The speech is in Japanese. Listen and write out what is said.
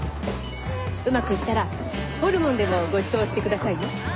うまくいったらホルモンでもごちそうして下さいね。